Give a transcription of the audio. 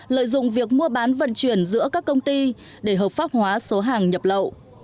lợi dụng việc mua bán vận chuyển giữa các công ty để hợp pháp hóa số hàng nhập lậu